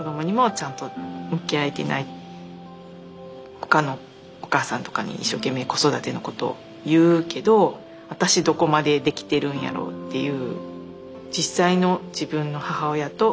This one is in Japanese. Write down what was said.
他のお母さんとかに一生懸命子育てのことを言うけど私どこまでできてるんやろうっていう。